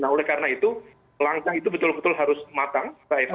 nah oleh karena itu langkah itu betul betul harus matang mbak eva